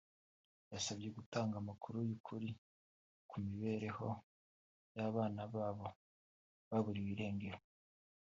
yabasabye gutanga amakuru y’ukuri ku mibereho y’abana babo baburiwe irengero